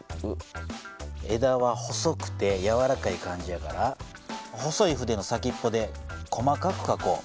枝は細くてやわらかい感じやから細い筆の先っぽで細かくかこう。